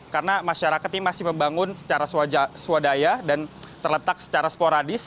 karena masyarakat ini masih membangun secara swadaya dan terletak secara sporadis